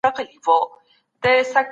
په مینه کي هیڅکله دروغ مه وایه.